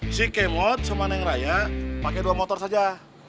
si kemot sama neng raya pakai dua motor saja